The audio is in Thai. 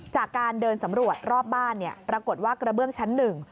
จากการเดินสำรวจรอบบ้านปรากฏว่ากระเบื้องชั้นหนึ่ง